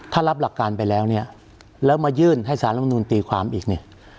ถ้ารับหลักการไปแล้วเนี่ยแล้วมายื่นให้สารรัฐมนุนตีความอีกเนี่ย